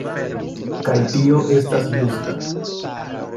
Kaj tio estas justa.